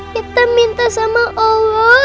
kita minta sama allah